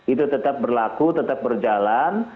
itu tetap berlaku tetap berjalan